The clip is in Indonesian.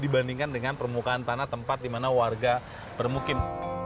dibandingkan dengan permukaan tanah tempat dimana warga bermukim